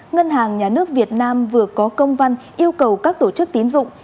ngân hàng nhà nước việt nam vừa có công văn yêu cầu các tổ chức tín dụng